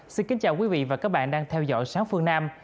xin kính chào quý vị và các bạn đang theo dõi sáng phương nam